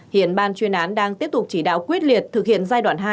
hiện ban chuyên án đang tiếp tục chỉ đạo quyết liệt thực hiện giai đoạn hai